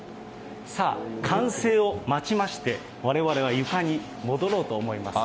さあ、完成を待ちまして、われわれは床に戻ろうと思います。